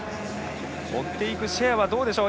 追っていくシェアはどうでしょう。